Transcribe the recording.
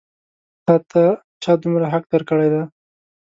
تا ته چا دومره حق درکړی دی؟